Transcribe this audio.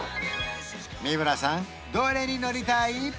三村さんどれに乗りたい？